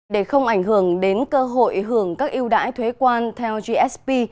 để không ảnh hưởng đến cơ hội hưởng các ưu đãi thuế quan theo gsp